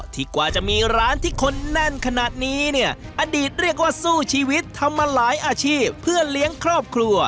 กว่าจะมีร้านที่คนแน่นขนาดนี้เนี่ยอดีตเรียกว่าสู้ชีวิตทำมาหลายอาชีพเพื่อเลี้ยงครอบครัว